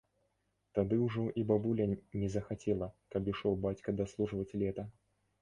Тады ўжо і бабуля не захацела, каб ішоў бацька даслужваць лета.